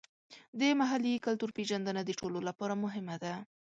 د محلي کلتور پیژندنه د ټولو لپاره مهمه ده.